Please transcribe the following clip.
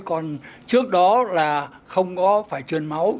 còn trước đó là không có phải truyền máu